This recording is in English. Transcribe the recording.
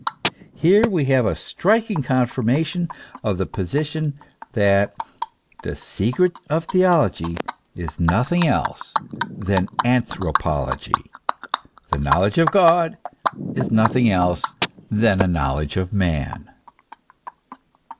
Here we have a striking confirmation of the position, that the secret of theo logy is nothing else than anthropology the knowledge of God nothing else than a knowledge of man